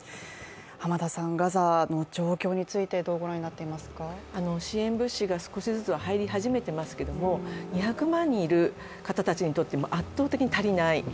ガザの状況についてどうご覧になっていますか？支援物資が少しずつ入り始めていますけども、２００万人いる人たちにとって圧倒的に足りない。